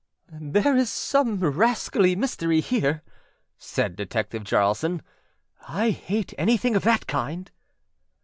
â âThere is some rascally mystery here,â said Detective Jaralson. âI hate anything of that kind.